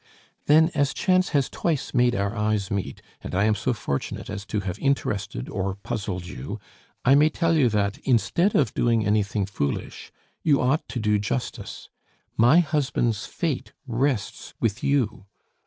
"Then, as chance has twice made our eyes meet, and I am so fortunate as to have interested or puzzled you, I may tell you that, instead of doing anything foolish, you ought to do justice. My husband's fate rests with you."